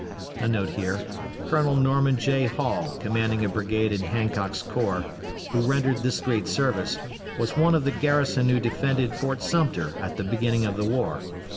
[* Colonel Norman J. Hall, commanding a brigade in Hancock's corps, who rendered this great service, was one of the garrison who defended Fort Sumter at the beginning of the war.